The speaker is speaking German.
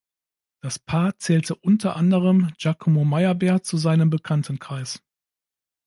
Das Paar zählte unter anderem Giacomo Meyerbeer zu seinem Bekanntenkreis.